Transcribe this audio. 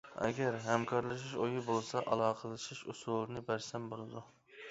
ئەگەر ھەمكارلىشىش ئويى بولسا ئالاقىلىشىش ئۇسۇلىنى بەرسەم بولىدۇ.